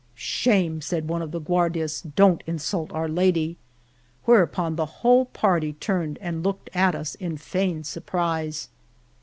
Shame !" said one of the Guardias. Don't insult our Lady !" Whereupon the whole party turned and looked at us in feigned surprise.